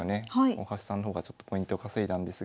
大橋さんの方がちょっとポイントを稼いだんですが。